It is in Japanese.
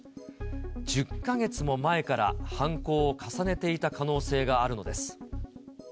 １０か月も前から犯行を重ねていた可能性があるのです。